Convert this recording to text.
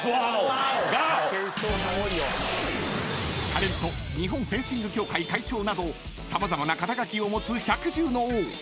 ［タレント日本フェンシング協会会長など様々な肩書を持つ百獣の王］